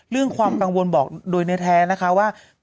เรื่องความกังวลบอกโดยแท้นะคะว่า